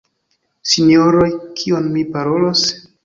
Sinjoroj; kion mi parolos?